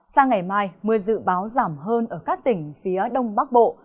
sang ngày mai mưa dự báo giảm hơn ở các tỉnh phía đông bắc bộ